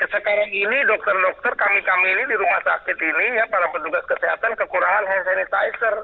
sekarang ini dokter dokter kami kami ini di rumah sakit ini ya para petugas kesehatan kekurangan hand sanitizer